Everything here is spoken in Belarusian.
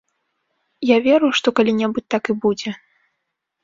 Я веру, што калі-небудзь так будзе.